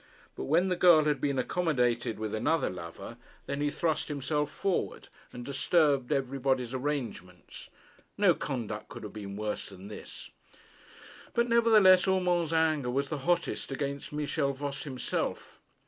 But when the girl had been accommodated with another lover, then he thrust himself forward and disturbed everybody's arrangements! No conduct could have been worse than this. But, nevertheless, Urmand's anger was the hottest against Michel Voss himself.